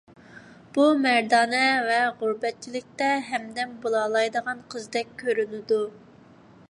بۇ مەردانە ۋە غۇربەتچىلىكتە ھەمدەم بولالايدىغان قىزدەك كۆرۈنىدۇ.